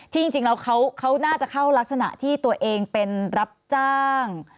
จริงแล้วเขาน่าจะเข้ารักษณะที่ตัวเองเป็นรับจ้าง